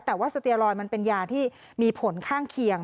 แต่ว่าสเตียลอยมันเป็นยาที่มีผลข้างเคียง